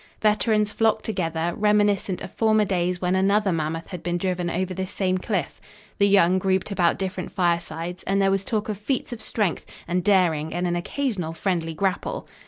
Veterans flocked together, reminiscent of former days when another mammoth had been driven over this same cliff; the young grouped about different firesides, and there was talk of feats of strength and daring and an occasional friendly grapple.